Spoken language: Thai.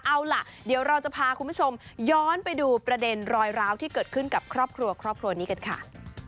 เอาล่ะเดี๋ยวเราจะพาคุณผู้ชมย้อนไปดูประเด็นรอยร้าวที่เกิดขึ้นกับครอบครัวครอบครัวนี้กันค่ะ